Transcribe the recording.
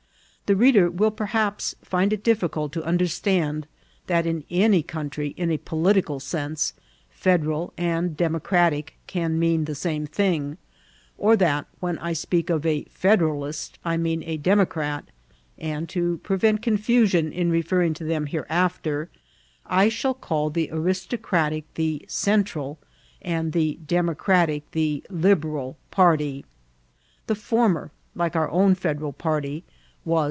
The reader will per haps find it difficult to understand that in any country, in a political sense, Federal and Democratic can mean the same thing, or that when I speak of a Federalist I mean a Democrat ; and, to prevent confusion in refer ring to them hereafter, I shall call the Aristocratic the Central, and the Democratic the Liberal party. The former, like our own Federal party, was.